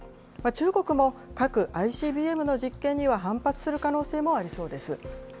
中国も核・ＩＣＢＭの実験には反発する可能性もありそうです。